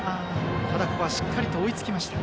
ただ、ここはしっかりと追いつきました。